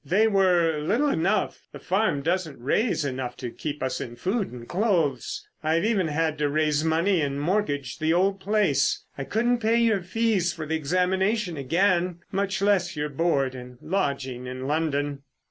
They were little enough. The farm doesn't raise enough to keep us in food and clothes. I've even had to raise money and mortgage the old place. I couldn't pay your fees for the examination again, much less your board and lodging in London."